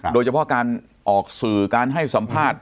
โดยเฉพาะการออกสื่อการให้สัมภาษณ์